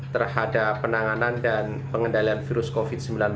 terhadap penanganan dan pengendalian virus covid sembilan belas